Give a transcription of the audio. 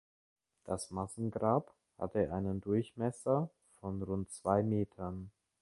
Das Massengrab hatte einen Durchmesser von rund zwei Metern.